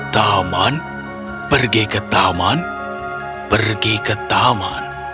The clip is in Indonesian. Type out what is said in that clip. taman pergi ke taman pergi ke taman